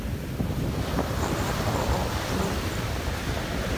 Kaá koo nuuni.